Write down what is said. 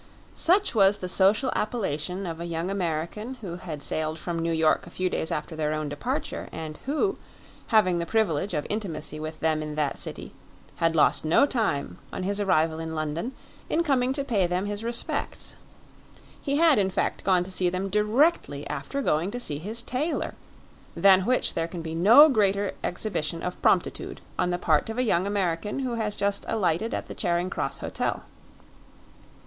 Such was the social appellation of a young American who had sailed from New York a few days after their own departure, and who, having the privilege of intimacy with them in that city, had lost no time, on his arrival in London, in coming to pay them his respects. He had, in fact, gone to see them directly after going to see his tailor, than which there can be no greater exhibition of promptitude on the part of a young American who has just alighted at the Charing Cross Hotel.